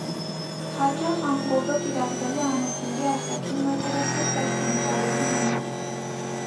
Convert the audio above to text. Հաճախ անգոբը կիրառվել է անոթների արտաքին մակերեսը զարդանկարելու համար։